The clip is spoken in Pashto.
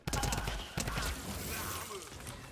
ښه ژوند وکړئ.